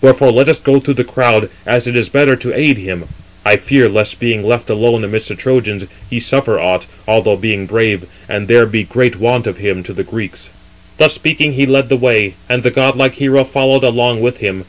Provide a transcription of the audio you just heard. Wherefore let us go through the crowd, as it is better to aid him. I fear lest being left alone amidst the Trojans, he suffer aught, although being brave, and there be great want [of him] to the Greeks." Thus speaking, he led the way, and the godlike hero followed along with him.